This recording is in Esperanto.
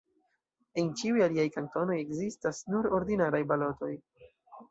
En ĉiuj aliaj kantonoj ekzistas nur ordinaraj balotoj.